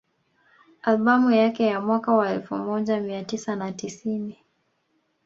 Albamu yake ya mwaka wa elfu moja mia tisa na tisini